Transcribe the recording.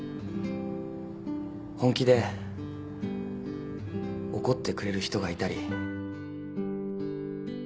本気で怒ってくれる人がいたり。